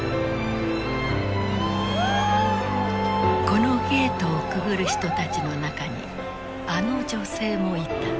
このゲートをくぐる人たちの中にあの女性もいた。